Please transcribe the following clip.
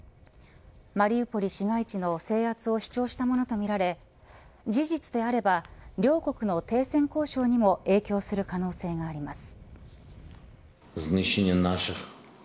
マリウポリ市街地の制圧を主張したものとみられ事実であれば両国の停戦交渉にも影響する可能性があります。